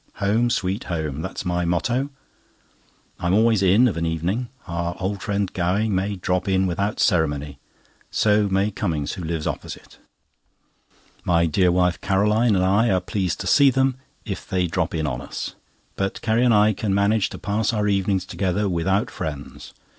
"Home, Sweet Home," that's my motto. I am always in of an evening. Our old friend Gowing may drop in without ceremony; so may Cummings, who lives opposite. My dear wife Caroline and I are pleased to see them, if they like to drop in on us. But Carrie and I can manage to pass our evenings together without friends.